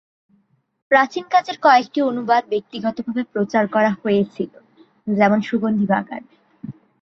প্রাচীন কাজের কয়েকটি অনুবাদ ব্যক্তিগতভাবে প্রচার করা হয়েছিল, যেমন সুগন্ধি বাগান।